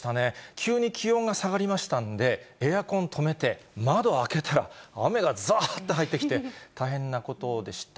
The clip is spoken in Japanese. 急に気温が下がりましたんで、エアコン止めて、窓開けたら、雨がざーっと入ってきて、大変なことでした。